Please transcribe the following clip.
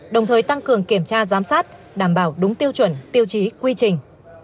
đồng thời tăng cường kiểm tra giám sát đảm bảo đúng tiêu chuẩn tiêu chí quy trình